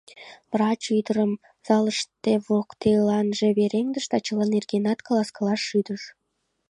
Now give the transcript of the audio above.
Врач ӱдырым залыште воктеланже вераҥдыш да чыла нергенат каласкалаш шӱдыш.